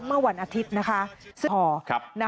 เมื่อวันอาทิตย์นะคะ